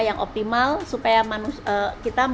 yang optimal supaya kita